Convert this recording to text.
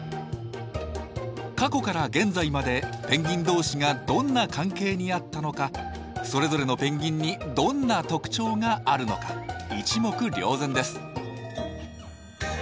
過去から現在までペンギン同士がどんな関係にあったのかそれぞれのペンギンにどんな特徴があるのか一目瞭然です。